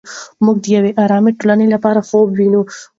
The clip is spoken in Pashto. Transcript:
موږ د یوې ارامې ټولنې خوب ویني.